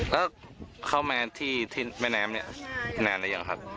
เธอเข้ามาที่ที่แม่แหนมเนี้ยนานหลายอย่างครับ